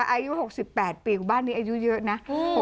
อายุ๖๘ปีบ้านนี้อายุเยอะนะ